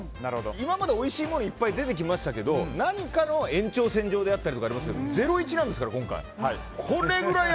今まで、おいしいものいっぱい出てきましたけど何かの延長線上であったりとかはありますけどゼロイチなんですから、今回。